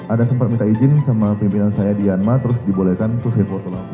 ada sempat minta izin sama pimpinan saya di yanma terus dibolehkan terus handphone aku